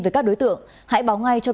về các đối tượng hãy báo ngay cho